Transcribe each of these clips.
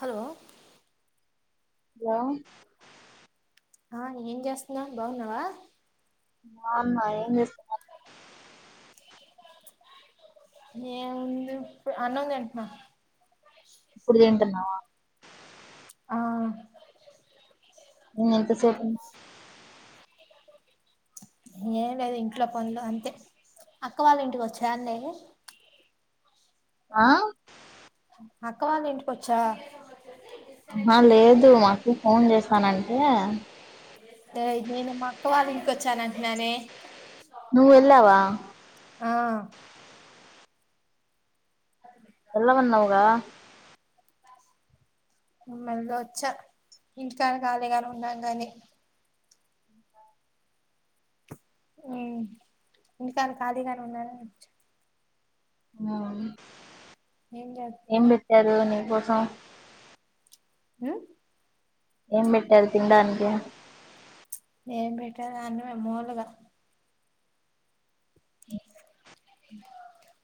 Hello లా ఆ ఏం చేస్తున్నావ్ బాగున్నావా బాన్నా ఏం చేస్తున్నారు ఏం ఉంది ఇప్పు అన్నం తింటున్నాం ఇప్పుడు తింటున్నావా ఆ ఇ ఎంత సేపు ఏం లేదు ఇంట్లో పనులు అంతే అక్క వాళ్ళ ఇంటికి వచ్చా అండి ఆ అక్కవాళ ఇంటికిచ్చా ఆ లేదు మాకు ఫోన్ చేశానంటే అదే నేను మా అక్క వాళ్ళు ఇంటికివచ్చాను గానే నువ్వ ఎలావా ఆ ఎల్లనన్నావుగా మల్ల వచ్చా ఇంటికాని ఖాళీగానే ఉన్నాం కానీ ఉ ఇంటికాడ ఖాళీగాని ఉండొచ్చు ఆ ఏం ఏం చేస్తున్నా పెట్టారు నీ కోసం ఉ ఏం పెట్టారు తినడానికి ఏం పెట్టా గానీ మూలుగా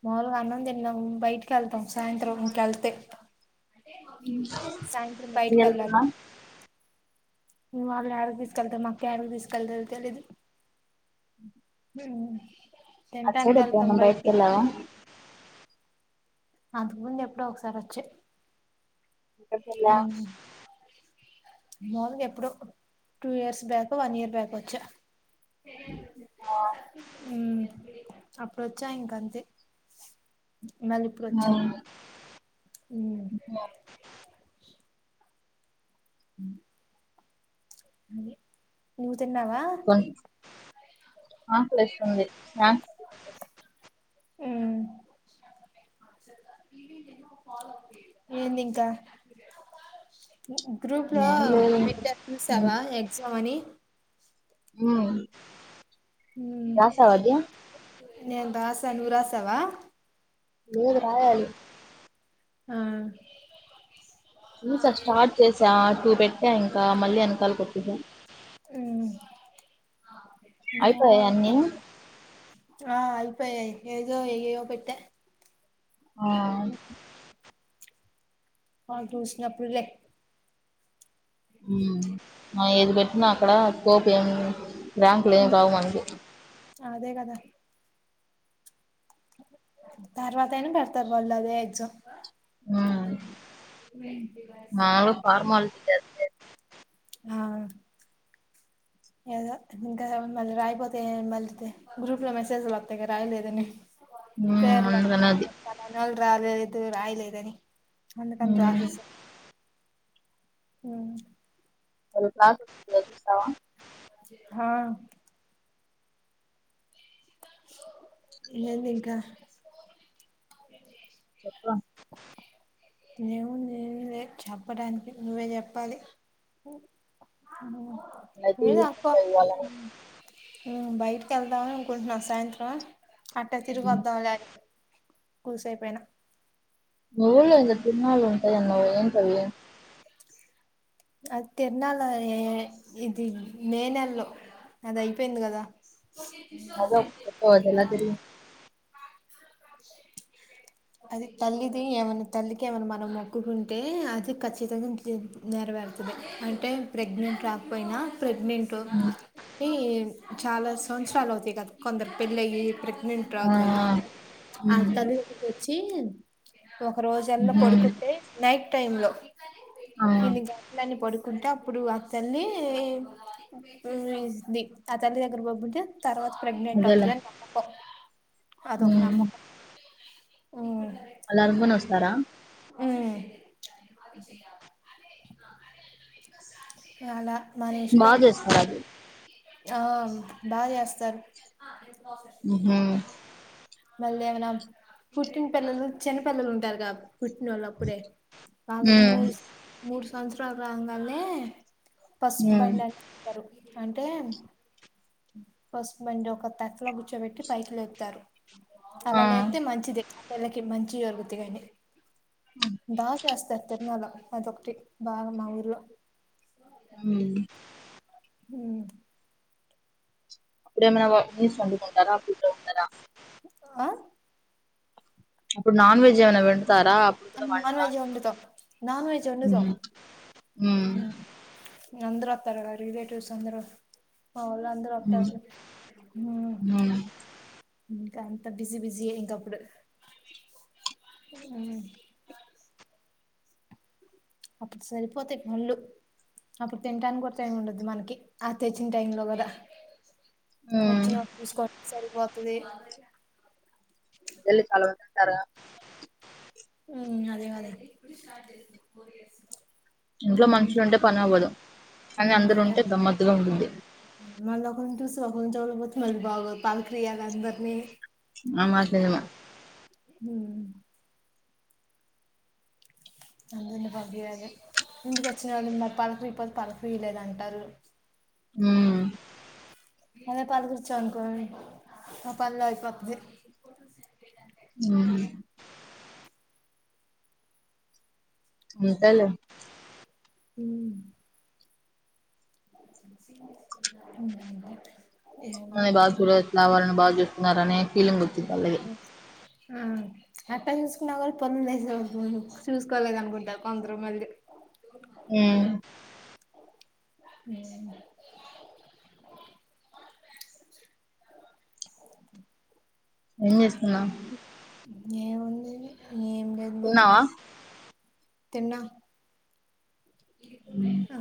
మాములుగా అన్నం తిన్నాం బయటికి ఎళ్తాం సాయంత్రం ఎల్తే సా ఎప్పుడు బయటికి వెళ్లాలు వెళ్తున్నా వాళ్ళు ఏడికి తీసుకెళ్తాదో మా కు ఏడికికి తీసుకెళ్తాదో తెలిదు ఉ అచేసైడు ఎప్పుడైనా బయటికి వెళ్ళావా అందుకు ముందు ఎప్పుడో ఒకసారి వచ్చే ఎక్కడికి వెళ్ళా ఉ మామూలుగా ఎప్పుడో టూ ఇయర్స్ బ్యాకో వన్ ఇయర్ బ్యాకో వచ్చా ఆ అప్పుడు వచ్చా ఇంకా అంతే మళ్ళీ ఇప్పుడు వచ్చా ఉ ఉ ఎది ఉత్ కోన్ ఆకలి ఏస్తుంది స్నా [inaudible] ఏంది ఇంకా గ్రూప్ లో ఏం లేదు పెట్టారు ఉమ్, చూసావా ఎగ్జామ్ అని ఉ ఉ నేను రాశాను నువ్వు రాశావా లేదు రాయాలి ఆ చూసా స్టార్ట్ చేసా టూ పెట్టా ఇంకా మళ్ళీ వెనకాల వచ్చింది ఉ అయిపోయాయి అన్నీ ఏమోలే. ఆ అయిపోయాయి ఏదో ఏయో పేట్ట ఆ ఆ చూసినప్పుడు లే ఉ ఏది పెట్టినా అక్కడ తోప్ ఏముంది బ్యాంకు లేం రావు మనకి అంతే కదా అండి తర్వాత అయినా పెడతారు వాళ్ళదే ఎగ్జామ్ ఉ మాములుగా ఫార్మాలటీ అది ఆ ఏదో ఇంకా మళ్ళీ రాయిపోతే మళ్ళీ గ్రూప్ లో మెసేజ్ వస్తాయి గా రాయలేదని ఉ అందుకనేది మళ్ళ రాలేదు రాయలేదని అందుకని మ్మ్. రాసేసా ఉ రేపు రాకుర్తిలో చూస్తావా హా ఏంది ఇంకా [inaudible] ఏముంది ఏమిలే చెప్పడానికి నువ్వే చెప్పాలి. నేనైతే మీద అప్ప ఊరికే ఇవ్వాలని బయటికి వెళ్దాం అనుకుంటున్నాం సాయంత్రం అట్టా తిరిగి మ్మ్. వద్దాంలే కూసేపయినా మీ ఊళ్ళో ఏందో తిరనాళ్ ఉంటాయి అన్నావు కదా ఏంటి అవి అది తిరణాలయ ఇది మే నెల్లో అది అయిపోయింది కదా అది చెప్పవ ఎలా అది తల్లిది ఏమైన్నా తల్లికి ఏమన్నా మనం మొక్కుకుంటే అది ఖచ్చితంగా నేరవేరుతది అంటే ప్రెగ్నెంట్ రాకపోయినా ప్రెగ్నెంట్ మ్మ్. ఈ చాలా సంవత్సరాలు అవుతాయి కదా కొందరు పెళ్ళి అయ్యి ప్రెగ్నెంట్ ఆ, తర్వాత మ్మ్, అత్తగారి ఇంటికి వచ్చి [unintelligible] ఒక రోజు అల్ల మ్హూ. పడుకుంటే నైట్ టైమ్ లో ఆ, ఇన్ని గంటలని పడుకుంటే అప్పుడు ఆ తల్లి ఆ తల్లి దగ్గర బబ్బుంటే తర్వాత ప్రెగ్నెంట్ అదేలే అవుతదని నమ్మకం అదొక మ్మ్. నమ్మకం ఉ అలా అనుకుని ఉ ఉ చాలా మన బాగా ఇష్టం చేస్తారా అది ఆ బాగా చేస్తారు ఉ మళ్ళీ ఏమనా పుట్టిన పిల్లలు చిన్న పిల్లలు ఉంటారు గా పుట్టినోళ్ళు అప్పుడే వాళ్ళకి ఉమ్ మూడు మూడు సంవత్సరాలు రాంగనె పసుపు ఉమ్ బండి ఇతరు అంటే పసుపు బండి ఒక తట్టలో గుచ్చోబెట్టి పైకి లేపుతారు ఆ అలా లేప్తే మంచిది ఆ పిల్లకి మంచిది జరుగుతాయని బా చేస్తారు తీర్నాల ప్రతిఒకటి బాగా మా ఊరిలో ఉ ఉ అప్పుడేమన్నా నీసు వండుకుంటారా ఆ అప్పుడు నాన్ వెెజ్ ఎమన్న వండుతారా అప్పుడు కూడా నాన్ వండరా వెజ్ వండుతాం నాన్ వెజ్ వండుతాం ఉహుమ్ ఉమ్ అందరు వత్తారుగద రెలెటివ్స్ అందరు మావాళ్ళు అందరు ఉమ్ వత్తారు ఉమ్ ఇంకా అంత బిజీ బిజి ఎ ఇంకా అప్పుడు ఊ అప్పుడు సరిపోతాయి ఫుల్ అప్పుడు తినానికి కూడా టైం ఉండదు మనకి ఆ తెచ్చిన టైంలో కదా ఉమ్ వచ్చిన చూసుకొడమే సరిపోతుది మల్లి కల్వనున్నారా ఉ అదే అదే ఇంట్లో మ్మ్ మనుషులు ఉంటే పని అవ్వదు కానీ అందరు ఉంటే గమ్మత్తుగా ఉంటుంది మళ్ళ ఒకరిని చూసి ఒకరిని చూడకపోతే మళ్ళీ బాగోదు పలకరియాలందరిని. నమాజ్ చదివా హ్ నలుగురిని పంపియాలె ఇంటికి వచ్చినోళ్ళని మరి పలకరియకపోతే పలకరీయలేదంటారు. హ్మ్ అదే పలకరిచామానుకో మా పన్లో అయిపోతది. ఆహా అంతేలే హ్మ్ [inaudible] మనని బాచూడట్లా వాళ్ళని బాగా చూస్తున్నారనే ఫీలింగ్ వచ్చిద్ది వాళ్ళకి. ఆ అట్టా చూసుకున్నా కూడా [unintelligible] చూసుకోలేదు అనుకుంటరు కొందరు మళ్ళీ. హ్ హ్ ఏం చేస్తున్నావు? ఏముంది ఏం లేదుమా తిన్నావా తిన్నా. ఉమ్ ఆ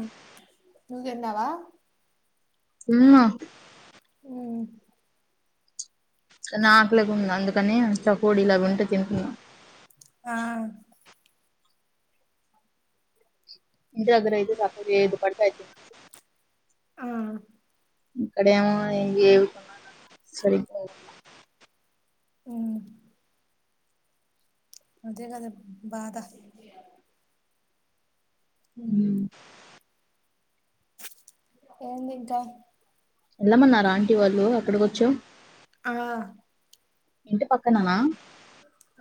నువ్వు తిన్నావా? తిన్నా ఉ అయినా ఆకలిగా ఉంది అందుకని చకోడి లవి ఉంటే తింటున్నా. ఆ ఇంటి దగ్గర అయితే సక్కగా ఏది పడితే అది తినచ్చు. ఆ సరిపోవట్లా హ్ అదే కదా బాద హ్ ఉమ్ ఏంది ఇంకా ఎళ్లమన్నరా ఆంటీ వాళ్ళు అక్కడికి వచ్చావు. ఆ ఇంటి పక్కననా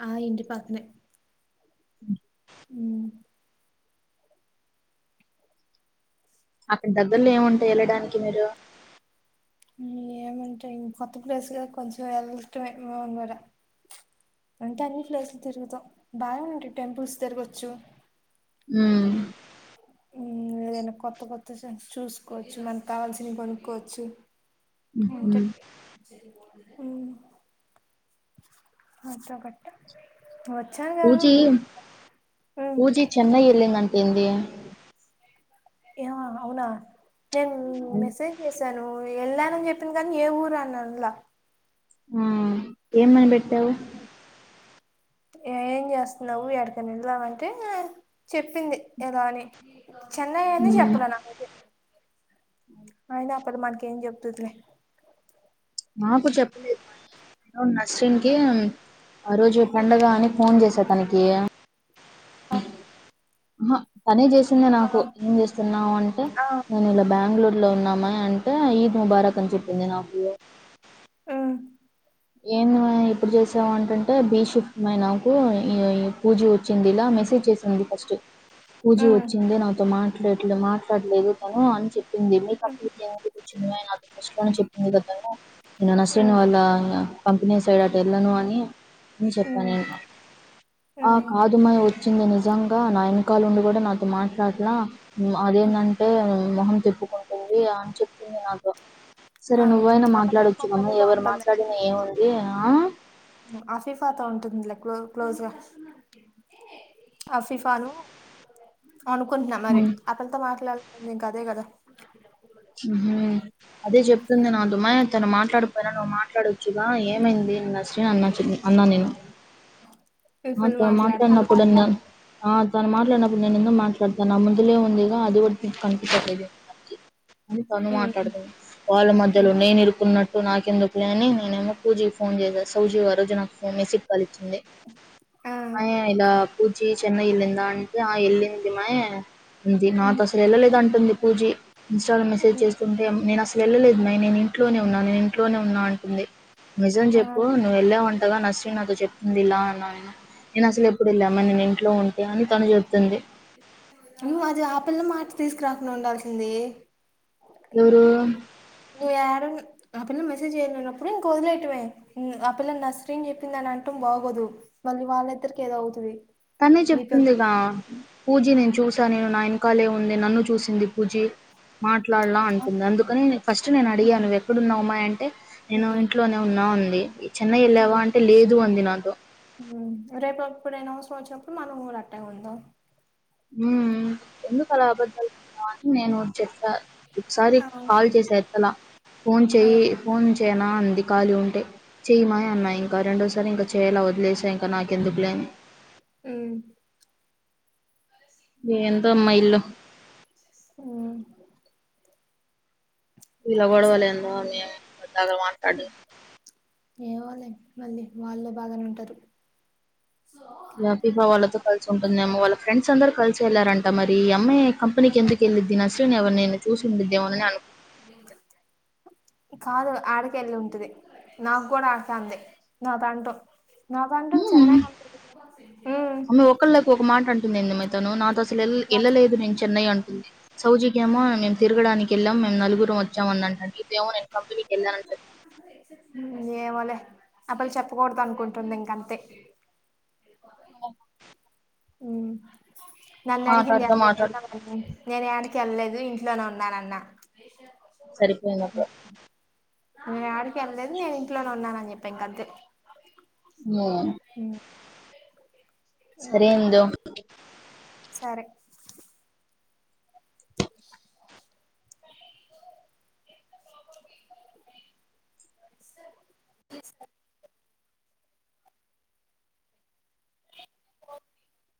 ఆ ఇంటి పక్కనే. ఉ అక్కడి దగ్గర్లో ఏముంటయి వెళ్ళడానికి మీరు. ఏముంటయి కొత్త ప్లేస్ కదా కొంచెం వెళ్ళటమే [unintelligible] ర అంటే అన్ని ప్లేస్లు తిరుగుతం బాగా ఉంటయి టెంపుల్స్ తిరగొచ్చు. హ్ మన కొత్త కొత్త [unintelligible] చూసుకోవచ్చు, మనకు కావాల్సినవి కొనుక్కోవచ్చు. హుహ్ ఉ అంత కట్ట పూజీ పూజీ చెన్నై ఎల్లిందంటా ఏంది. అవునా నేను మెసేజ్ చేసా ను వెళ్ళానని చెప్పింది కానీ ఏ ఊరు అని అన్లా. ఆ ఏమని పెట్టావు. ఏం చేస్తున్నావు, ఎడికన్నా వెళ్ళావా అంటే చెప్పింది ఇలా అని. చెన్నై అని ఉమ్ చెప్పలా నాకైతే. అయినా ఆ పిల్ల మనకేం చెప్తదిలే. నాకు చెప్పలేదు [inaudible] అశ్విని కి ఆ రోజు పండగ అని ఫోన్ చేసా తనకి అఫ్ అహ తనే జేసింది నాకు ఏం జేస్తున్నావ్ అంటే ఆ నేన్ ఇలా బెంగళూరు లో ఉన్నా అమ్మాయి అంటే ఈద్ ముబారక్ అని చెప్పింది నాకు ఉమ్ ఏంది మయి ఇప్పుడు జేసావు అంటంటే బి షిఫ్ట్మై నాకు ఈ పూజ వచ్చింది ఇలా మెసేజ్ చేసింది ఫస్ట్ పూజీ ఉమ్ ఒచ్చింది నాతో మాట్లాలే మాట్లాట్లేదు తను అన్ చెప్ ప్పింది మీ కప్పుడు చిన్మయ్ నాకు ఫస్ట్ లోనె చెప్పింది కద్ తను నన్ అశ్విని ఉమ్ వాళ్ళ కంపెనీ సైడ్ అట్ ఎళ్ళను అని చెప్పా ఉమ్ నేను ఆ ఉమ్ కాదు మాయ్ ఒచ్చింది నిజంగా నా ఎన్కాలుండి గూడ నాతో మాట్లాట్లా అది ఏంమంటే మొహం తిప్పుకుంటుంది అన్ చెప్తుంది నాతో సరే నువ్వైనా ఆ ఆ పిల్ల ఇంకో మాట్లాడొచ్చుగమా పిల్లతో ఎవరు ఉంటుందిలే మాట్లాడి ఏ ఉంది ఆ హ్మ్. అఫీఫాతో ఉంటుందిలే క్లో క్లోజ అఫిఫాను అనుకుంట్న మరి ఉమ్, అతన్తో మాట్లాడుతుందింకదే గదా మ్హ్ అదే చెప్తుంది నా మ్మాయ తను మాట్లాడుపోయినా నువ్వు మాట్లాడొచ్చుగా ఏమైంది ఇండస్ట్రీ అని అన్న చె న్నా నేను ఈ పిల్ల ఆతో మాట్లాడుతుంది మాట్లాడిన్నప్పుడన్న ఆ తను మాట్లాడినప్పుడు నేను ఎందు మాట్లాడతాను నా ముందులే ఉందిగా అది గుడ్ కనిపించట్ అని తను ఉమ్ మాట్లాడుతుంది వాళ్ళ మధ్యలో ఉమ్ నేను ఇరుకున్నట్టు నాకు కిందుకులే అని నేనేమో సౌజీ కి ఫోన్ జేసా సౌజీ వారుజు నాకు ఫోన్ మెసీజ్ కాల్ ఇచ్చింది ఆ మాయ ఇలా పూచీ చెన్నై ఎల్లిందాంటె ఆ ఎల్లింది మాయ్ అంది ఉమ్ నాతో అసల్ ఎళ్ళలేదు్ అంటుంది పూజీ ఇన్స్టాలో మెసేజ్ చేస్తుంటే నేను అసల్ వెళ్ళలేదు మై నేను ఇంట్లోనే ఉన్నా నేను ఇంట్లోనే ఉన్నా అంటుంది నిజం ఆ చెప్పు నువ్వెళ్ళా వంటగా నశ్వి నాతో జెప్పింది ఇలా అన్నా నెన్ అసల్ ఎప్పుడు ఎళ్ళా మ నేను ఇంట్లో ఉంటే అని తను జెప్తుంది నువ్వు అది ఆపిల్ల మాట తీస్కురాకుండా ఉండాల్సింద యొవ్రూ నుయారున్ ఆ పిల్ల మెసేజ్ చేయన్నప్పుడు ఇంక్ ఒదిలేయటమే ఆ పిల్ల నర్స్రీని చెప్పిందన్న అంటం బాగోదు మళ్ళీ వాళ్ళ్ ఇద్దరికి ఏదో అవుతుంది తనే చెప్తుందిగా పూజీ ని చూసా నేను నా ఎనకాలే ఉంది నన్ను చూసింది పూజి మాట్లాడ్లా అంటుంది అందుకని ఫస్ట్ నేను అడిగా నువ్ ఎక్కడున్నావు అమ్మాయి అంటే నేను ఇంట్లోనే ఉన్నా అంది చెన్నై లేవా అంటే లేదు అంది నాతో మ్ రేపు ఎప్పుడైనా ఔస్రం ఒచ్చినప్పుడు మనం గూడ్ అట్టే ఉందాం ఉం ఎందుకు అలా అబద్ధాలు [unintelligible] అని నేను చెప్పా ఒక్సారి ఆ కాల్ చేసా ఎత్తలా ఫోన్ ఆ చేయి ఫోన్ చేయనా అంది ఖాళీ ఉంటే చేయమాయ్ అన్నాయి ఇంకా రెండోసారి ఇంకా చేయలా వదిలేసా ఇంక నాకెందుకు లే అని మ్ ఏందో మ్మ ఈల్లు హ్మ్ ఇలా గొడవలు సరే ఎందో మేము పెద్దాగా మాట్లాడం ఏందో ఏమోలే మళ్ళీ వాళ్ళ బాగానే ఉంటారు పిపా వాళ్ళతో కలిసి ఉంటుందేమో వాళ్ళ ఫ్రెండ్స్ అందరూ కలిసి వెళ్లారంట మరీ అమ్మాయి కంపెినీకి ఎందుకెళ్ళిద్ది నశ్రిన్ ఎవరు నేైన చూసిండిద్దేమోనని అనుకు కాదు ఆడక ఎళ్ళి ఉంటది నాకు గూడా ఆడకే అంది నా తంటూ నా కంటూ హ్మ్. చెన్నై మైతను నాతో అసలు నాకు వెళ్ళలేదు నేను చెన్నై అంటుంది సౌజికేమో మేం తిరగడానికి కెళ్ళాం మేమ్ నలుగురం ఒచ్చామ్ అందంట నీతో ఏమో నేను కంపెనీకి ఎళ్ళానని చెప్పా ఏమోలే ఆప్పి ల్ల్ చెప్పకూడదు అనుకుంటుంది ఇంకంతే [unintelligible] [unintelligible] మాట్లాడుతూ మాట్లాడుతూ నేను యాడికి వెళ్ళలేదు ఇంట్లోనే ఉన్నానన్న సరిపోయింది అప్పుడు నేను యాడికి వెళ్ళలేదు నేను ఇంట్లోనే ఉన్నానుని చెప్పా ఇంగ అంతే ఏ సరే అది ఇందు సరే [inaudible] [inaudible]